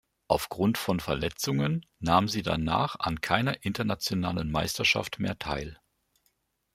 Aufgrund von Verletzungen nahm sie danach an keiner internationalen Meisterschaft mehr teil.